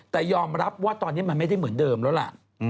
แต่ยอมรับว่าตอนนี้มันไม่ได้เหมือนเดิมแล้วล่ะ